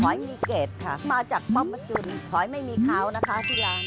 หอยมีเกณฑ์ค่ะมาจากป๊อปพระจุลหอยไม่มีเค้าที่ร้าน